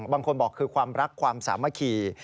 บางคนบอกคือความรักความสามัคคี